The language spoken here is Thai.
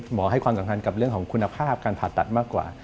หมอให้ความสำคัญกับเรื่องของคุณภาพการผ่าตัดมากกว่า